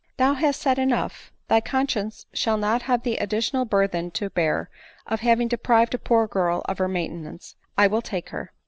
"Thou hast said enough; thy conscience shall not have the additional burthen to bear, of having deprived a poor girl of her maintenance — I will take her."